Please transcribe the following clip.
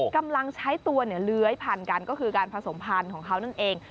กำลังใช้ตัวเลื้อยพันกันก็คือการผสมพันธุ์ของเขานั่นเอง